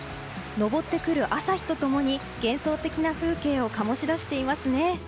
上ってくる朝日と共に幻想的な風景を醸し出していますね。